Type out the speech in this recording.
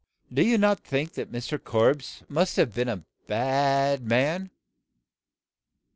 Do you not think Mr. Korbes must have been a bad man?